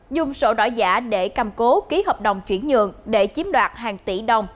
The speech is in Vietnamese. dùng sổ đỏ giả để cầm cố ký hợp đồng chuyển nhượng để chiếm đoạt hàng tỷ đồng